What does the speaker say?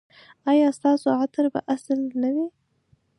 ایا ستاسو عطر به اصیل نه وي؟